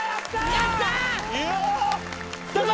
やったぞ！